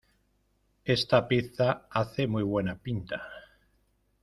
Esta pizza hace muy buena pinta.